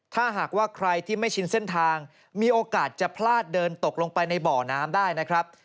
ถ้าหากว่าใครที่ไม่ชินเส้นทางมีโอกาสจะพลาดเดินตกลงไปในบ่อน้ำได้นะครับ